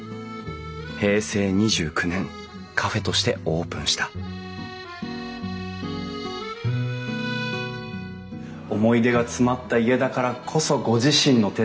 平成２９年カフェとしてオープンした思い出が詰まった家だからこそご自身の手で。